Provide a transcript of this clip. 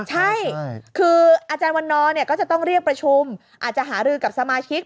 ใช่คืออาจารย์วันนอร์ก็จะต้องเรียกประชุมอาจจะหารือกับสมาชิก